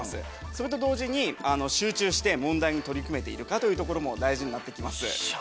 それと同時に集中して問題に取り組めているかというとこも大事になって来ます。